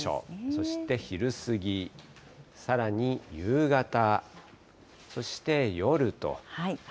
そして昼過ぎ、さらに夕方、そして夜と。